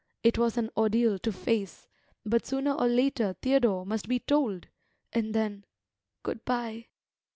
It was an ordeal to face, but sooner or later Theodore must be told, and then good bye!